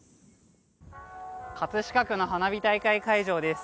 葛飾区の花火大会会場です。